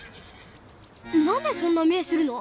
何でそんな目するの？